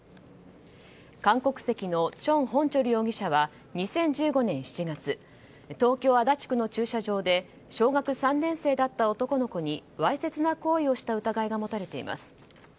韓国籍の全弘哲容疑者は２０１５年７月東京・足立区の駐車場で小学３年生だった男の子にわいせつな行為をした疑いが持たれています。